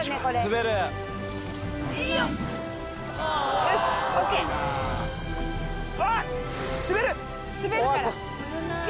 滑るから。